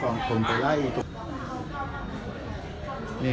คลิกกองที่นี่